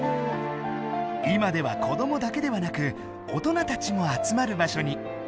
今ではこどもだけではなく大人たちも集まる場所に。